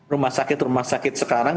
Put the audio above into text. rumah sakit rumah sakit sekarang